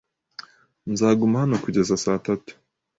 Nzaguma hano kugeza saa tatu.